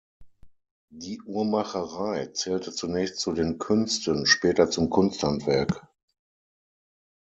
Die Uhrmacherei zählte zunächst zu den Künsten, später zum Kunsthandwerk.